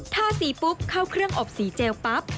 ทาสีปุ๊บเข้าเครื่องอบสีเจลปั๊บ